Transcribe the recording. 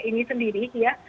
ini sendiri ya